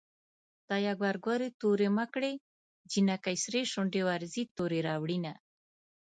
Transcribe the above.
خدايه ګورګورې تورې مه کړې جنکۍ سرې شونډې ورځي تورې راوړينه